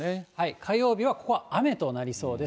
火曜日は、ここは雨となりそうです。